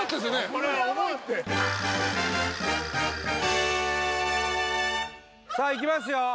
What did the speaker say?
これヤバいってさあいきますよ